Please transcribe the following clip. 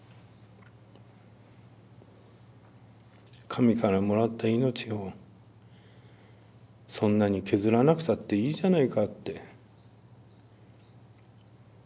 神からもらった命をそんなに削らなくたっていいじゃないかって。